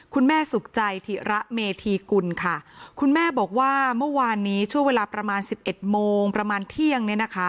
คุณแม่สุขใจที่ระเมธีกุลค่ะคุณแม่บอกว่าเมื่อวานนี้ชั่วเวลาประมาณ๑๑โมงประมาณเที่ยง